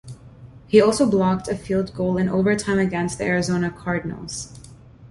He also blocked a field goal in overtime against the Arizona Cardinals.